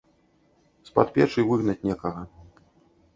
З-пад печы выгнаць некага.